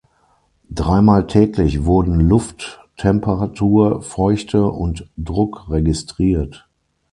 Dreimal täglich wurden Lufttemperatur, -feuchte und -druck registriert.